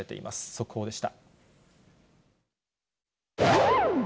速報でした。